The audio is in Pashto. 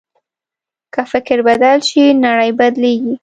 که فکر بدل شي، نړۍ بدلېږي.